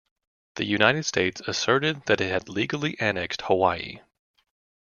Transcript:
The United States asserted that it had legally annexed Hawaii.